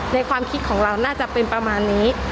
ความคิดของเราน่าจะเป็นประมาณนี้